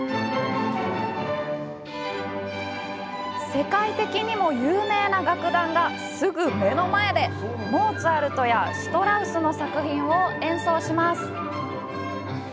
世界的にも有名な楽団が、すぐ目の前でモーツァルトやシュトラウスの作品を演奏します。